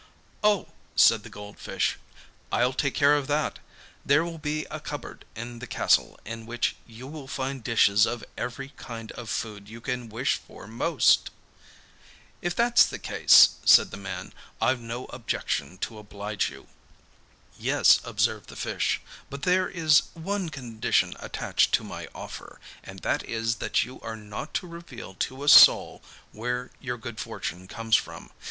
'Oh,' said the gold fish, 'I'll take care of that. There will be a cupboard in the castle, in which you will find dishes of every kind of food you can wish for most.' 'If that's the case,' said the man, 'I've no objection to oblige you.' 'Yes,' observed the fish, 'but there is one condition attached to my offer, and that is that you are not to reveal to a soul where your good fortune comes from.